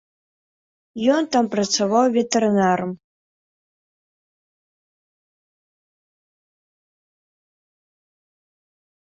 Ён там працаваў ветэрынарам.